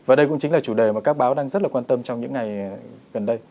và đây cũng chính là chủ đề mà các báo đang rất là quan tâm trong những ngày gần đây